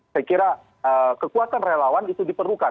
saya kira kekuatan relawan itu diperlukan